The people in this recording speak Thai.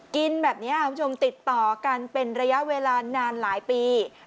กินแบบนี้คุณผู้ชมติดต่อกันเป็นระยะเวลานานหลายปี